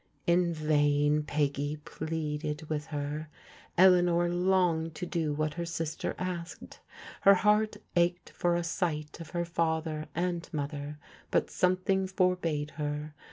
In vain Peggy pleaded with her. Eleanor longed to do what her sister asked ; her heart ached for a sight of her father and mother, but something forbade her.